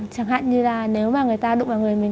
chẳng hạn như là nếu mà người ta đụng vào người mình